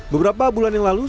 beberapa bulan yang lalu